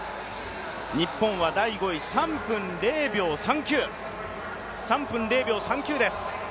日本は第５位、３分０秒３９です。